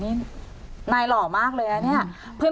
อ๋อนี่นายหล่อมากเลยอันนี้